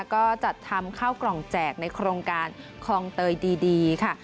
ก็จัดทำข้าวกล่องแจกในโครงการคลองเตยดีค่ะ